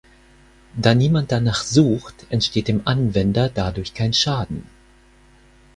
Da niemand danach sucht, entsteht dem Anwender dadurch kein Schaden.